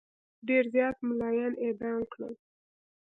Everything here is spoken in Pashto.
ډېر زیات مُلایان اعدام کړل.